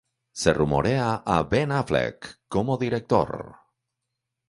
Se rumorea a Ben Affleck como director.